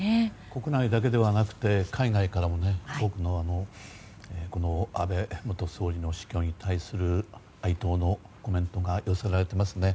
国内だけではなく海外からも多くの安倍元総理の死去に対する哀悼のコメントが寄せられていますね。